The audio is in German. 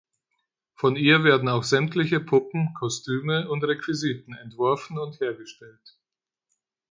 Von ihr werden auch sämtliche Puppen, Kostüme und Requisiten entworfen und hergestellt.